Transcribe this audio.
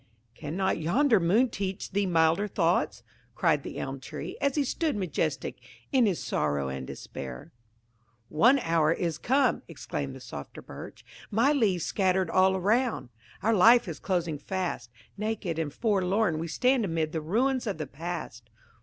"Cannot yonder moon teach thee milder thoughts?" cried the Elm tree, as he stood majestic in his sorrow and despair. "Our hour is come," exclaimed the softer Beech. "My leaves lie scattered all around. Our life is closing fast. Naked and forlorn we stand amid the ruins of the past."